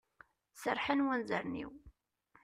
Serrḥen wanzaren-iw.